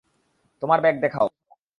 তোমার ব্যাগ দেখাও!